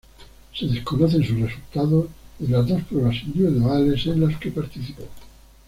Se desconocen sus resultados en las dos pruebas individuales en las que participó.